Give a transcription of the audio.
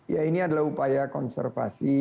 ya ini adalah upaya konservasi